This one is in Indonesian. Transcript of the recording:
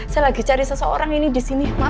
saya lagi cari seseorang ini disini maaf ya mas